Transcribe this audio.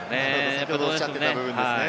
先ほど言っていた部分ですね。